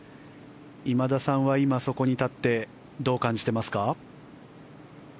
今田さんは今、そこに立ってどう感じてますか？